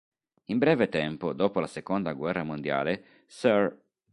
In breve tempo, dopo la seconda guerra mondiale, Sir.